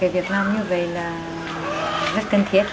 việc làm như vậy rất cân thiết